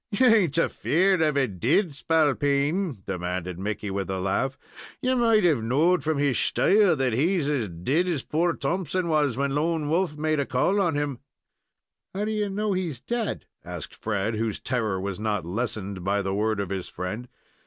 "You ain't afeard of a dead spalpeen?" demanded Mickey, with a laugh. "You might have knowed from his shtyle that he's as dead as poor Thompson was when Lone Wolf made a call on him." "How do you know he's dead?" asked Fred, whose terror was not lessened by the word of his friend.